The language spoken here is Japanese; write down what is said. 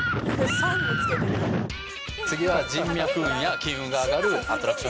次は人脈運や金運が上がるアトラクションに行きましょう。